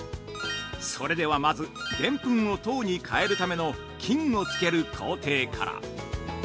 それでは、まずでん粉を糖に変えるための菌をつける工程から。